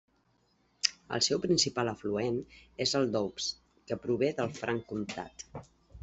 El seu principal afluent és el Doubs, que prové del Franc Comtat.